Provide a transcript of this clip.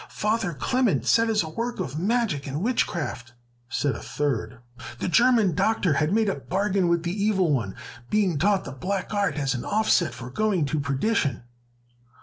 "Father Clement says it is the work of magic and witchcraft!" said a third. "The German Doctor has made a bargain with the Evil One, being taught the black art as an offset for going to perdition."